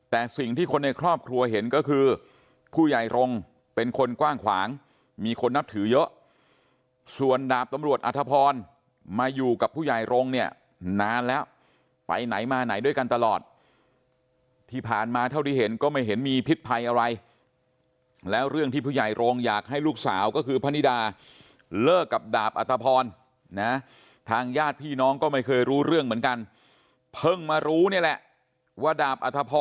แต่สิ่งที่คนในครอบครัวเห็นก็คือผู้ใหญ่รงค์เป็นคนกว้างขวางมีคนนับถือเยอะส่วนดาบตำรวจอธพรมาอยู่กับผู้ใหญ่รงค์เนี่ยนานแล้วไปไหนมาไหนด้วยกันตลอดที่ผ่านมาเท่าที่เห็นก็ไม่เห็นมีพิษภัยอะไรแล้วเรื่องที่ผู้ใหญ่โรงอยากให้ลูกสาวก็คือพนิดาเลิกกับดาบอัตภพรนะทางญาติพี่น้องก็ไม่เคยรู้เรื่องเหมือนกันเพิ่งมารู้นี่แหละว่าดาบอทพร